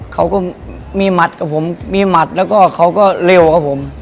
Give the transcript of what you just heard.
เขาก็มีหมัดกับผมมีหมัดแล้วก็เขาก็เร็วครับผม